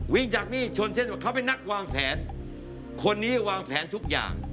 จากนี่ชนเส้นเขาเป็นนักวางแผนคนนี้วางแผนทุกอย่าง